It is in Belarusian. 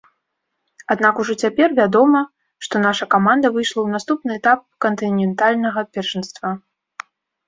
Аднак ужо цяпер вядома, што наша каманда выйшла ў наступны этап кантынентальнага першынства.